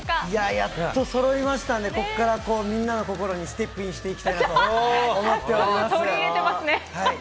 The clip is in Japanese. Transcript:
やっとそろいましたんで、ここからみんなの心にステップインしていきたいなと思っておりま早速、取り入れてますね。